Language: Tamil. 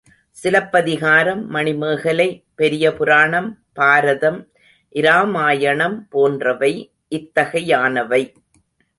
சிலப்பதிகாரம், மணிமேகலை, பெரிய புராணம், பாரதம், இராமாயணம் போன்றவை இத்தகையனவே.